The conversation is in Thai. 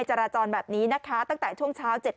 สุดยอดดีแล้วล่ะ